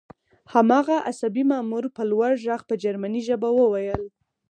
هماغه عصبي مامور په لوړ غږ په جرمني ژبه وویل